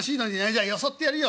じゃあよそってやるよ